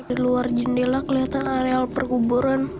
di luar jendela kelihatan areal perkuburan